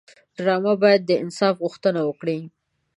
ډرامه باید د انصاف غوښتنه وکړي